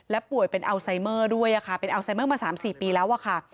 ป่วยเป็นอัลไซเมอร์ด้วยค่ะเป็นอัลไซเมอร์มา๓๔ปีแล้วอะค่ะ